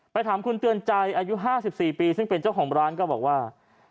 ถามคุณเตือนใจอายุ๕๔ปีซึ่งเป็นเจ้าของร้านก็บอกว่า